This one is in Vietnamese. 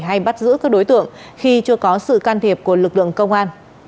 hay bắt giữ các đối tượng khi chưa có sự can thiệp của lực lượng công an